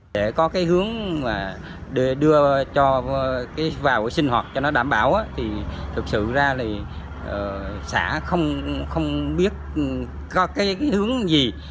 để có cái hướng mà để đưa cho cái vào sinh hoạt cho nó đảm bảo thì thực sự ra là xã không biết có cái hướng gì